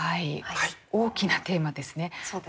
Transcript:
大きなテーマですね。